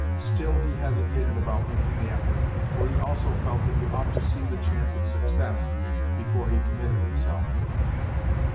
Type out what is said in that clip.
Still he hesitated about making the effort, for he also felt that he ought to see the chance of success before he committed himself.